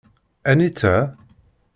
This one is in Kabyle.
Anita?